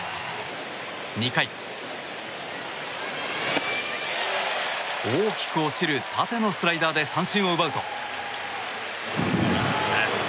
２回、大きく落ちる縦のスライダーで三振を奪うと。